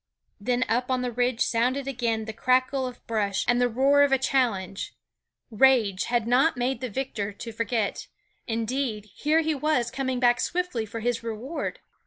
Then up on the ridge sounded again the crackle of brush and the roar of a challenge. Rage had not made the victor to forget; indeed, here he was, coming back swiftly for his reward.